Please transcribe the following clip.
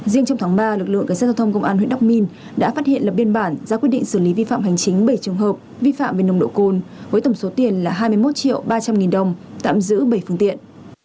riêng trong tháng ba lực lượng cảnh sát giao thông công an huyện đắk minh đã phát hiện lập biên bản ra quyết định xử lý vi phạm hành chính bảy trường hợp vi phạm về nồng độ cồn với tổng số tiền là hai mươi một triệu ba trăm linh nghìn đồng tạm giữ bảy phương tiện